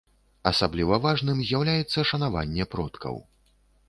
Асабліва важным з'яўляецца шанаванне продкаў.